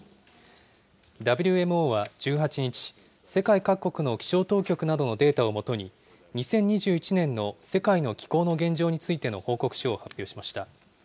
ＷＭＯは１８日、世界各国の気象当局などのデータを基に、２０２１年の世界の気候の現状についての報告書を発表しました。